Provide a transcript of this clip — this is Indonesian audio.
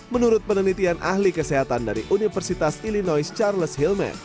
menurut penelitian ahli kesehatan dari universitas illinois charles hilman